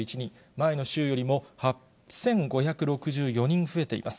前の週よりも８５６４人増えています。